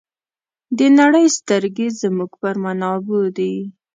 د نړۍ سترګې زموږ پر منابعو دي.